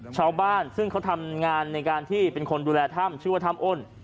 ชาวบ้านซึ่งเขาทำงานในการที่เป็นคนดูแลถ้ำชื่อว่าถ้ำอ้น